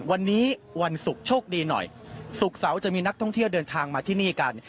วันนี้วันศุกร์โชคดีหน่อยศุกร์เสาร์จะมีนักท่องเที่ยวเดินทางมาที่นี่กัน